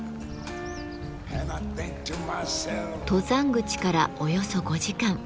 登山口からおよそ５時間。